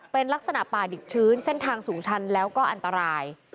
เป็นลักษณะป่าดิกชื้นเส้นทางสูงชันแล้วก็อันตราย